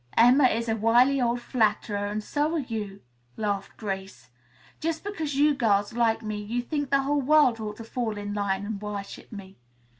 "Emma is a wily old flatterer and so are you," laughed Grace. "Just because you girls like me you think the whole world ought to fall in line and worship me."